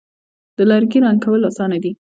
د لرګي رنګ کول آسانه دي.